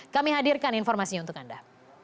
kami hadirkan informasinya untuk anda